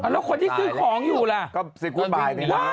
แล้วคนที่ซื้อของอยู่ล่ะก็ซิกุ๊ปบาย